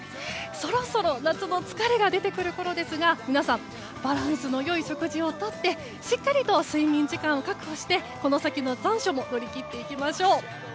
そろそろ夏の疲れが出てくるところですが皆さん、バランスのよい食事をとってしっかりと睡眠時間を確保してこの先の残暑も乗り切っていきましょう。